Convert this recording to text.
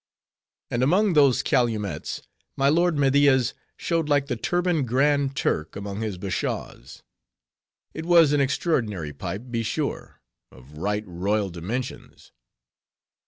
And among those calumets, my lord Media's showed like the turbaned Grand Turk among his Bashaws. It was an extraordinary pipe, be sure; of right royal dimensions.